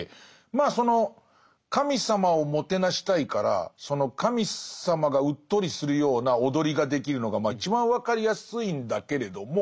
まあその神様をもてなしたいからその神様がうっとりするような踊りができるのがまあ一番分かりやすいんだけれども